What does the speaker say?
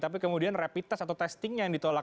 tapi kemudian rapid test atau testingnya yang ditolak